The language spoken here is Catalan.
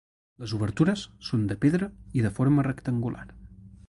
Les obertures són de pedra i de forma rectangular.